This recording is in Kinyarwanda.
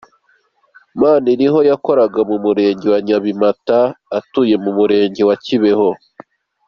Maniriho yakoraga mu murenge wa Nyabimata atuye mu murenge wa Kibeho.